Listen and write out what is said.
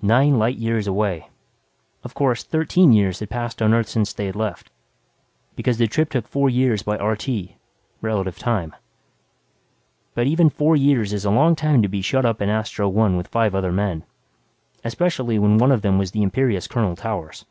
Nine light years away. Of course, thirteen years had passed on Earth since they had left, because the trip took four years by RT relative time. But even four years is a long time to be shut up in Astro One with five other men, especially when one of them was the imperious Colonel Towers.